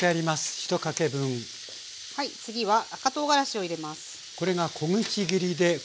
次は赤とうがらしを入れます。